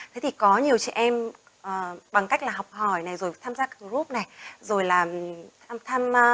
thế thì có nhiều chị em bằng cách là học hỏi rồi tham gia group này rồi là tham gia